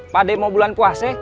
pada mau bulan puase